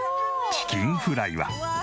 チキンフライは。